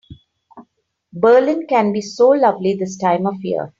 Berlin can be so lovely this time of year.